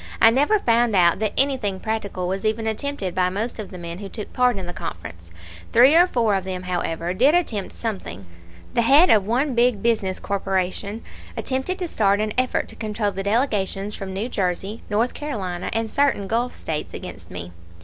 I never found out that anything practical was even attempted by most of the men who took part in the conference. Three or four of them, however, did attempt something. The head of one big business corporation attempted to start an effort to control the delegations from New Jersey, North Carolina, and certain Gulf States against me.